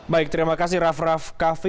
baik terima kasih raff raff kaffi